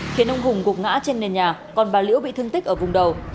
khiến ông hùng gục ngã trên nền nhà còn bà liễu bị thương tích ở vùng đầu